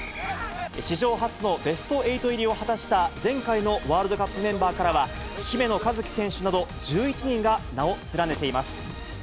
史上初のベスト８入りを果たした前回のワールドカップメンバーからは、姫野和樹選手など、１１人が名を連ねています。